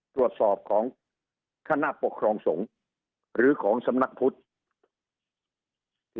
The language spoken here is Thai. ตรวจสอบของคณะปกครองสงฆ์หรือของสำนักพุทธ